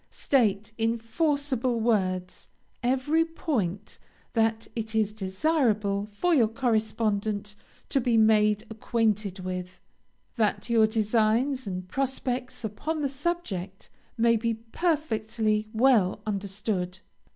State, in forcible words, every point that it is desirable for your correspondent to be made acquainted with, that your designs and prospects upon the subject may be perfectly well understood.